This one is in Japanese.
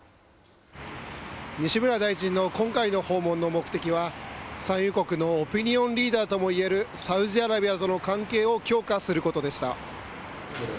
西村大臣の今回の訪問の目的は、産油国のオピニオンリーダーとも言えるサウジアラビアとの関係を強化することでした。